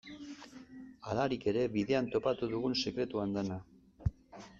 Halarik ere, bidean topatu dugun sekretu andana.